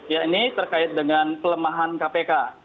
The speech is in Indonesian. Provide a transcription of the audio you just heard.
ya ini terkait dengan kelemahan kpk